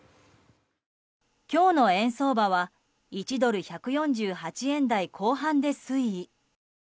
今日の円相場は１ドル＝１４８円台後半で推移。